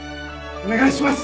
お願いします！